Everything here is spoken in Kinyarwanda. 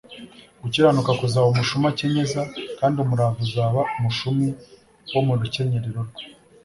Gukiranuka kuzaba umushumi akenyeza, kandi umurava uzaba umushumi wo mu rukenyerero rwe